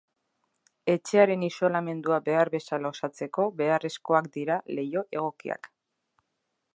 Etxearen isolamendua behar bezala osatzeko beharrezkoak dira leiho egokiak.